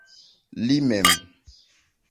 Li mem.